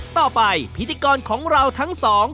ต่อไปพิธีกรของเราทั้งสอง